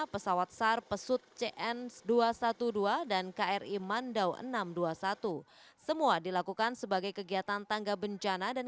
pesawat sar pesut cn dua ratus dua belas dan kri mandau enam ratus dua puluh satu semua dilakukan sebagai kegiatan tangga bencana dan